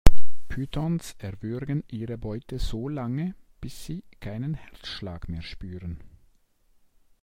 Pythons erwürgen ihre Beute so lange, bis sie keinen Herzschlag mehr spüren.